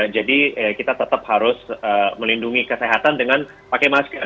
jadi kita tetap harus melindungi kesehatan dengan pakai masker